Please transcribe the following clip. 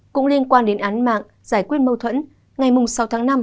cũng liên quan đến án mạng giải quyết mâu thuẫn ngày sáu tháng năm